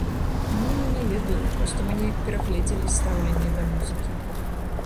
Ну, не ведаю, проста мы неяк перагледзелі стаўленне да музыкі.